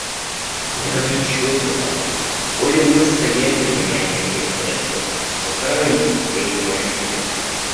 Это влечет за собой более настоятельную необходимость подотчетности со стороны лиц, принимающих решения.